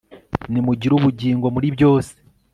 nimugire ubugingo muri byose